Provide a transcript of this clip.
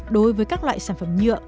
đối với các loại sản phẩm nhựa